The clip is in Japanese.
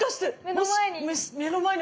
今目の前に。